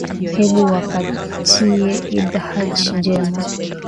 hebu watakie idd hajj njema